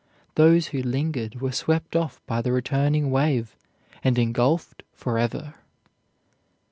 Those who lingered were swept off by the returning wave, and engulfed forever.